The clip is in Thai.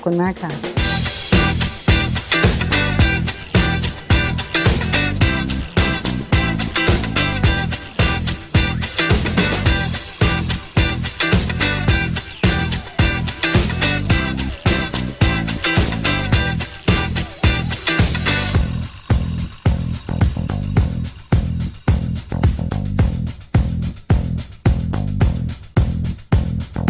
ขอบคุณค่ะขอบคุณมากค่ะ